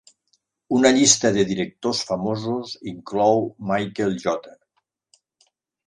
Una llista de directors famosos inclou Michael J.